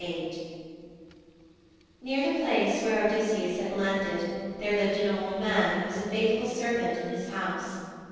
VIII Near the place where Odysseus had landed there lived an old man who was a faithful servant in his house.